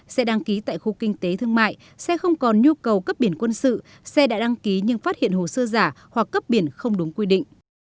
xe đăng ký tại khu kinh tế thương mại xe không còn nhu cầu cấp biển quân sự xe đã đăng ký nhưng phát hiện hồ sơ giả hoặc cấp biển không đúng quy định